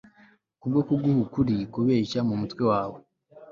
kubwo kuguha ukuri kubeshya mumutwe wawe